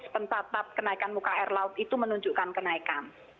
pencatat kenaikan muka air laut itu menunjukkan kenaikan